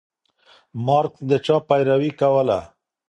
مارکس د چا پيروي کوله؟